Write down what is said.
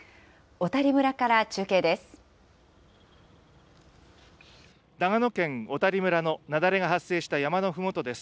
小谷村から中継です。